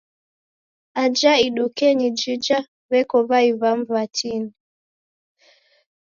Aja idukenyi jija, w'eko w'ai wamu w'atini.